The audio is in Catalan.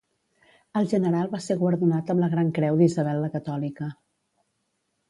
El General va ser guardonat amb la Gran Creu d'Isabel la Catòlica.